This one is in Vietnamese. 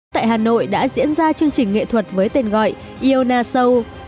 tại hà nội đã diễn ra chương trình nghệ thuật với tên gọi iona show